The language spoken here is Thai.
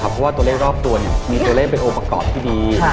เพราะว่าตัวเลขรอบตัวมีตัวเลขเป็นองค์ประกอบที่ดี